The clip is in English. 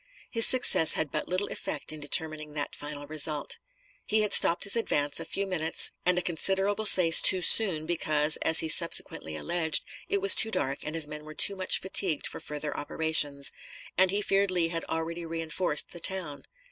His success had but little effect in determining the final result. He had stopped his advance a few minutes and a considerable space too soon, because, as he subsequently alleged, it was too dark and his men were too much fatigued for further operations; and he feared Lee had already re enforced the town.